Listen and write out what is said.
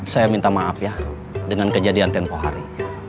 saya minta maaf ya dengan kejadian tempoh hari